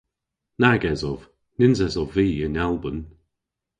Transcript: Nag esov. Nyns esov vy yn Alban.